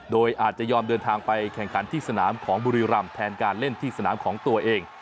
โดยอาจจะยอมเดินทางไปแข่งขันที่สนามของบุรีรำแทนการเล่นที่สนามของตัวเอง